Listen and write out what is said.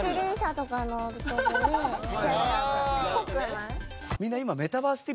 っぽくない？